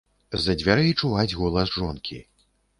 З-за дзвярэй чуваць голас жонкі.